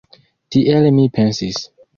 Tiel mi pensis.